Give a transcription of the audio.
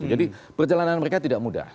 jadi perjalanan mereka tidak mudah